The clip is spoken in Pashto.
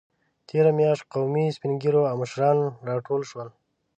تېره میاشت قومي سپینږیري او مشران راټول شول.